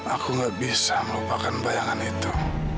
aku gak bisa melupakan bayangan itu